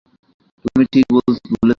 তুমি ঠিক বলেছ।